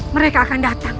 mereka akan datang